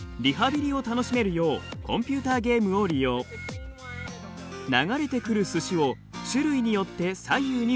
流れてくるすしを種類によって左右に振り分けます。